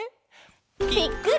ぴっくり！